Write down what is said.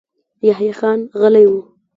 يحيی خان غلی و.